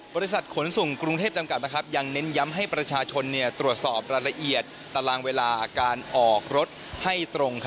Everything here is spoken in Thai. บริษัทขนส่งกรุงเทพจำกัดยังเน้นย้ำให้ประชาชนตรวจสอบรายละเอียดตารางเวลาการออกรถให้ตรง